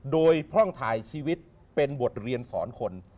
โดยพร่องถ่ายชีวิตเป็นบทเรียนสอนคน